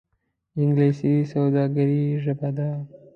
انګلیسي د سوداګرۍ ژبه ده